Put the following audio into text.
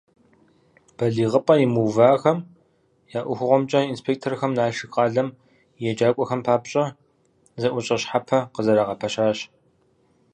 БалигъыпӀэ имыувахэм я ӀуэхухэмкӀэ инспекторхэм Налшык къалэм и еджакӀуэхэм папщӀэ зэӀущӀэ щхьэпэ къызэрагъэпэщащ.